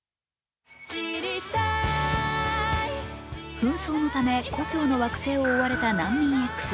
紛争のため故郷の惑星を追われた難民エックス。